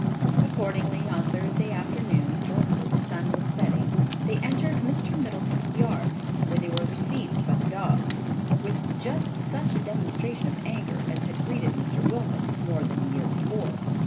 Accordingly on Thursday afternoon, just as the sun was setting, they entered Mr. Middleton's yard, where they were received by the dogs, with just such a demonstration of anger as had greeted Mr. Wilmot more than a year before.